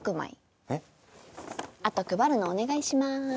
あと配るのお願いします。